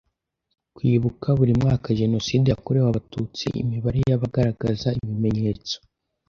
Kwibuka buri mwaka jenoside yakorewe abatutsi imibare y abagaragaza ibimenyetso